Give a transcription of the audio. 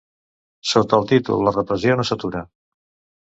Sota el títol La repressió no s’atura.